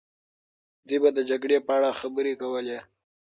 دوی به د جګړې په اړه خبرې کوله.